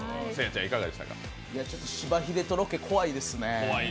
ちょっとしばひでとロケ怖いですね。